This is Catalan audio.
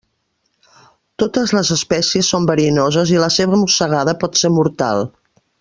Totes les espècies són verinoses i la seva mossegada pot ser mortal.